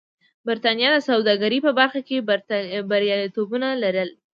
برېټانیا د سوداګرۍ په برخه کې بریالیتوبونه لرل.